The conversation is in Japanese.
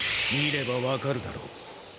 見れば分かるだろう。